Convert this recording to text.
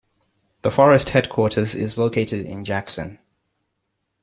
The forest headquarters is located in Jackson.